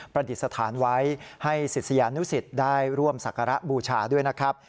ดิษฐานไว้ให้ศิษยานุสิตได้ร่วมศักระบูชาด้วยนะครับ